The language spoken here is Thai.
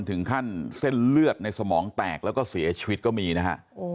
ถึงขั้นเส้นเลือดในสมองแตกแล้วก็เสียชีวิตก็มีนะฮะ